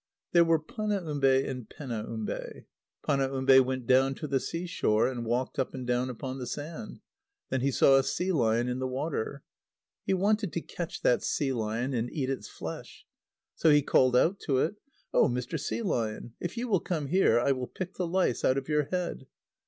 _ There were Panaumbe and Penaumbe. Panaumbe went down to the sea shore, and walked up and down upon the sand. Then he saw a sea lion in the water. He wanted to catch that sea lion, and eat its flesh. So he called out to it: "Oh! Mr. Sea Lion, if you will come here, I will pick the lice out of your head."